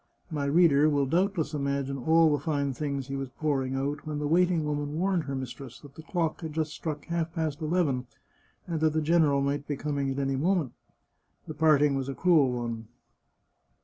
My reader will doubtless imagine all the fine things he was pouring out when the waiting woman warned her mis tress that the clock had just struck half past eleven, and that the general might be coming in at any moment. The part ing was a cruel one.